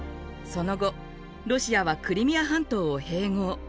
その後ロシアはクリミア半島を併合。